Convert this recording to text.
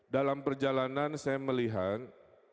dalam perjalanan saya melihat